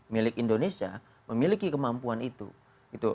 milik indonesia memiliki kemampuan itu